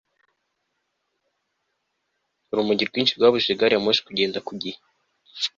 urubura rwinshi rwabujije gari ya moshi kugenda ku gihe